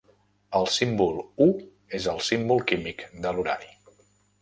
El símbol U és el símbol químic de l'urani.